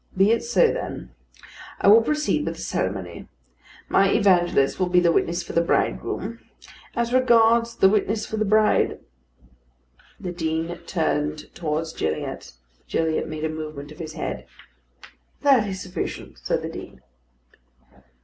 Be it so, then. I will proceed with the ceremony. My evangelist will be the witness for the bridegroom; as regards the witness for the bride " The Dean turned towards Gilliatt. Gilliatt made a movement of his head. "That is sufficient," said the Dean.